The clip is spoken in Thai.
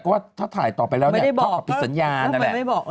ก็ว่าถ้าถ่ายต่อไปแล้วเนี่ยเขาก็ปิดสัญญานะแหละ